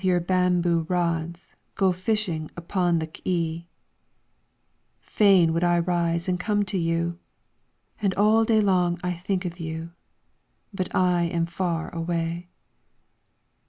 I SEE you with your bamboo rods Go fishing up the K'e. Fain would I rise and come to you, And all day long I think of you, But I am far away.